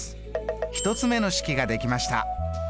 １つ目の式ができました。